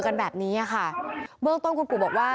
ไอ้ไอ้ไอ้ไอ้ไอ้